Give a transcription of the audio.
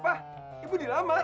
apa ibu dilamar